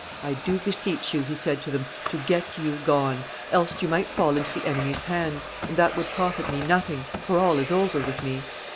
"I do beseech you," he said to them, "to get you gone; else you might fall into the enemy's hands, and that would profit me nothing, for all is over with me.